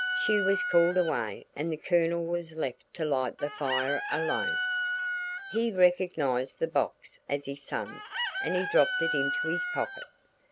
She was called away and the Colonel was left to light the fire alone. He recognized the box as his son's and he dropped it into his pocket.